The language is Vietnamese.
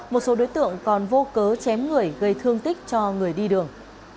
một số đối tượng còn vô cớ chém người gây thương tích cho người đi đường